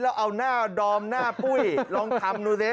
แล้วเอาหน้าดอมหน้าปุ้ยลองทำดูสิ